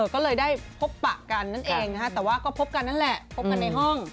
ก็เลยได้พบปะกันนั่นเองแต่ว่าก็พบกันนั่นแหละพบกันในห้อง